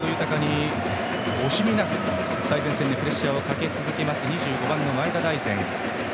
スピード豊かに惜しみなく最前線にプレッシャーをかける２５番、前田大然。